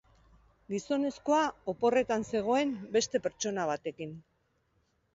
Gizonezkoa oporretan zegoen, beste pertsona batekin.